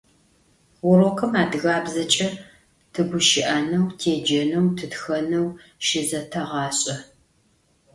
Vurokım adıgabzeç'e tıguşı'eneu, têceneu, tıtxeneu şızeteğaş'e.